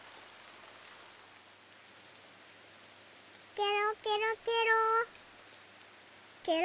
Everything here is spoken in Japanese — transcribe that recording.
ケロケロケロケロ。